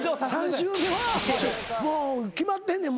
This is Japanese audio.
３週目はもう決まってんねん。